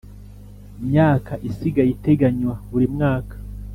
myaka isigaye iteganywa buri mwaka